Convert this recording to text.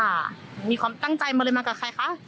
มีความตั้งใจมาเลยมากับใครคะ